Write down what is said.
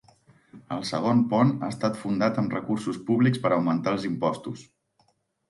El segon pont ha estat fundat amb recursos públics per augmentar els impostos.